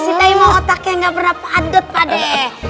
siday mau otak yang ga pernah padut padeh